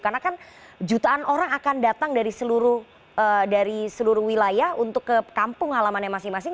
karena kan jutaan orang akan datang dari seluruh wilayah untuk ke kampung alamannya masing masing